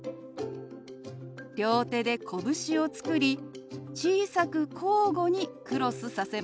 両手でこぶしを作り小さく交互にクロスさせます。